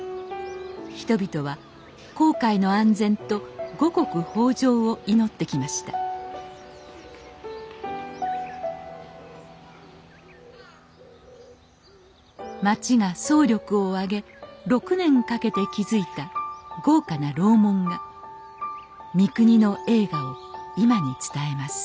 人々は航海の安全と五穀豊穣を祈ってきました町が総力を挙げ６年かけて築いた豪華な楼門が三国の栄華を今に伝えます